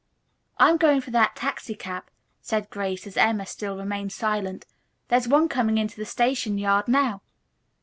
"I'm going for that taxicab," said Grace, as Emma still remained silent. "There's one coming into the station yard now."